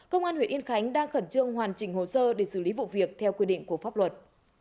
công an huyện yên khánh đang khẩn trương hoàn chỉnh hồ sơ để xử lý vụ việc theo quy định của pháp luật